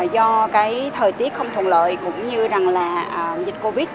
do cái thời tiết không thuận lợi cũng như rằng là dịch covid